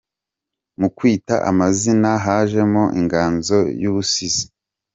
Mu kwita amazina hajemo inganzo y’ubusizi.